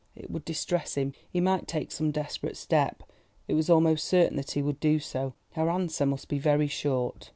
It would distress him; he might take some desperate step; it was almost certain that he would do so. Her answer must be very short.